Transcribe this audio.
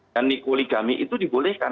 dan dikoligami itu dibolehkan